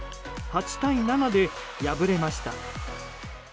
８対７で敗れました。